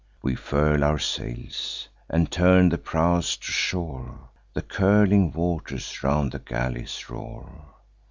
We furl our sails, and turn the prows to shore; The curling waters round the galleys roar.